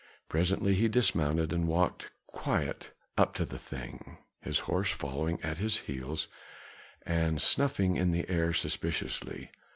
Presently he dismounted and walked quite up to the thing, his horse following at his heels, and snuffing at the air suspiciously.